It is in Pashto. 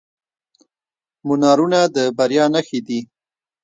منارونه د بریا نښې دي.